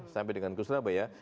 sampai dengan ke surabaya